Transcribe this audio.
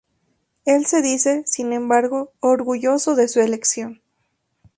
Él se dice, sin embargo, "orgulloso" de su elección.